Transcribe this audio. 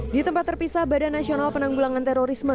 di tempat terpisah badan nasional penanggulangan terorisme